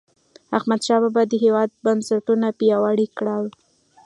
احمدشاه بابا د هیواد بنسټونه پیاوړي کړل.